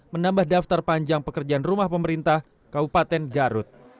menambah daftar panjang pekerjaan rumah pemerintah kabupaten garut